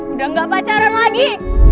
udah gak pacaran lagi